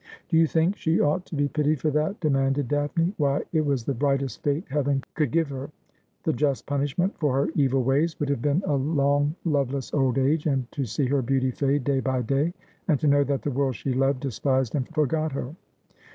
' Do you think she ought to be pitied for that ?' demanded Daphne. ' Why, it was the brightest fate Heaven could give her. The just punishment for her evil ways would have been a long loveless old age, and to see her beauty fade day by day, and to know that the world she loved despised and forgot her.